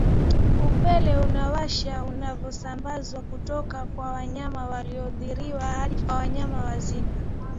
upele unaowasha unavyosambazwa kutoka kwa wanyama walioathiriwa hadi kwa wanyama wazima